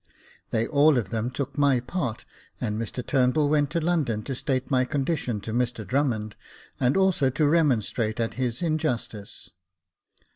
They all of them took my part, and Mr Turnbull went to London to state my condition to Mr Drummond, and also to remon strate at his injustice.